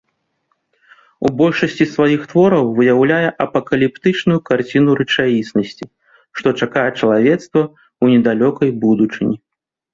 У большасці сваіх твораў выяўляе апакаліптычную карціну рэчаіснасці, што чакае чалавецтва ў недалёкай будучыні.